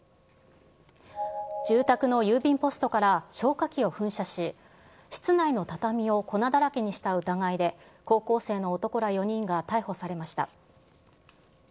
住宅の郵便ポストから消火器を噴射し、室内の畳を粉だらけにした疑いで、高校生の男ら４人が逮捕されました。